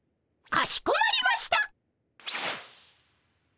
かしこまりました。